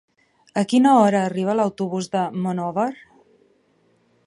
A quina hora arriba l'autobús de Monòver?